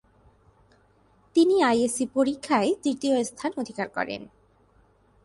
তিনি I S C পরীক্ষায় তৃতীয় স্থান অধিকার করেন।